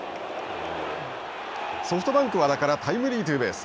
ソフトバンク和田からタイムリーツーベース。